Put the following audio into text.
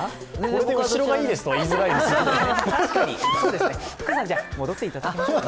これで後ろがいいですとは言いづらいでしょう。